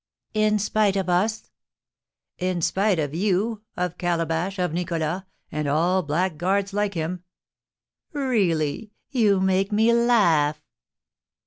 "In spite of us?" "In spite of you, of Calabash, of Nicholas, and all blackguards like him." "Really, you make me laugh."